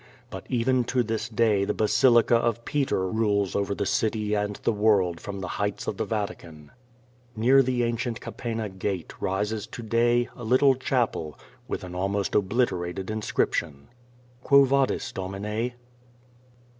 But even to this day the basilica of Peter rules over the city and the world from the heights of the Vatican. Xoar the ancient Capena Gate rises to day a little chapel with an almost obliterated inscription: Quo Vadis, Doniine?